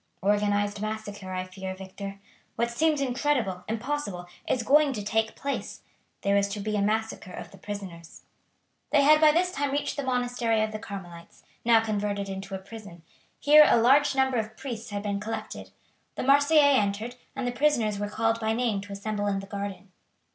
"Organized massacre, I fear, Victor. What seemed incredible, impossible, is going to take place; there is to be a massacre of the prisoners." They had by this time reached the monastery of the Carmelites, now converted into a prison. Here a large number of priests had been collected. The Marseillais entered, and the prisoners were called by name to assemble in the garden.